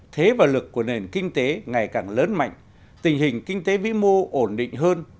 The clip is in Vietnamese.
thế và lực của nền kinh tế ngày càng lớn mạnh tình hình kinh tế vĩ mô ổn định hơn